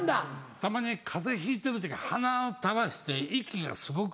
たまに風邪ひいてる時はな垂らして息がすごく。